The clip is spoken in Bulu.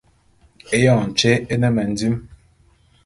Éyoñ tyé é ne mendim.